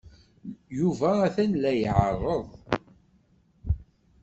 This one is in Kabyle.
Yuba atan la iɛerreḍ